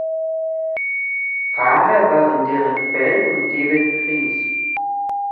Fahrer waren Derek Bell und David Preece.